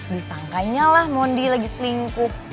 disangkanya lah mondi lagi selingkuh